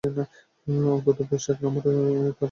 অনন্ত শেখর নামক তার এক পুত্র ছিল।